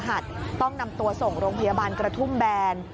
ตอนที่หนูเห็นเหตุจารย์ใช่ไหมตึงแรงหนูก็ขับรถออกมาแล้วก็เห็น